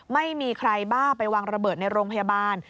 ไม่มีใครบ้าไปวางระเบิดในโรงพยาบาล